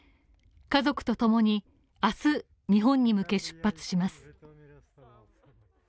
家族と共に明日、日本に向け出発します。